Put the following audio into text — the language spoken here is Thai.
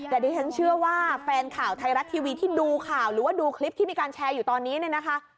แต่ดิฉันเชื่อว่าแฟนข่าวไทยรัฐทีวีที่ดูข่าวหรือว่าดูคลิปที่มีการแชร์อยู่ตอนนี้เนี่ยนะคะ